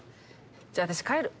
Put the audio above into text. じゃあ私帰る。